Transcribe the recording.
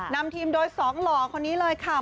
นำทีมโดยสองหล่อคนนี้เลยค่ะ